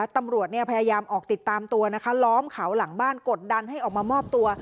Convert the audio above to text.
ตำรวจพยายามออกติดตามตัวนะคะล้อมเขาหลังบ้านกดดันให้ออกมามอบตัว